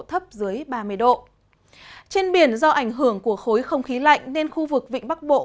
trên biển do ảnh hưởng của khối không khí lạnh nên khu vực vịnh bắc bộ